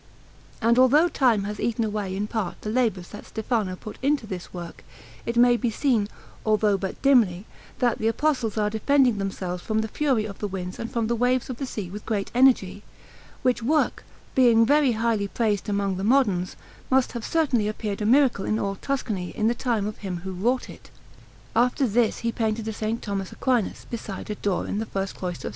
And although time has eaten away in part the labours that Stefano put into this work, it may be seen, although but dimly, that the Apostles are defending themselves from the fury of the winds and from the waves of the sea with great energy; which work, being very highly praised among the moderns, must have certainly appeared a miracle in all Tuscany in the time of him who wrought it. After this he painted a S. Thomas Aquinas beside a door in the first cloister of S.